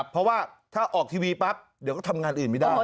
เพราะว่าถ้าออกทีวีปั๊บเดี๋ยวก็ทำงานอื่นไม่ได้